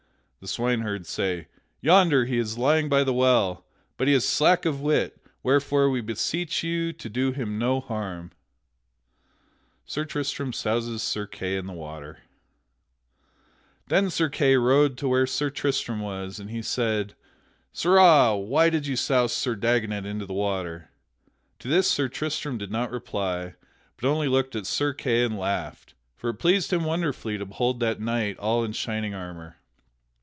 The swineherds say: "Yonder he is lying by the well; but he is slack of wit, wherefore we beseech you to do him no harm." [Sidenote: Sir Tristram souses Sir Kay in the water] Then Sir Kay rode to where Sir Tristram was, and he said: "Sirrah, why did you souse Sir Dagonet into the water?" To this Sir Tristram did not reply, but only looked at Sir Kay and laughed, for it pleased him wonderfully to behold that knight all in shining armor.